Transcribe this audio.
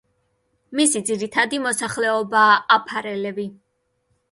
მისი ძირითადი მოსახლეობაა აფარელები.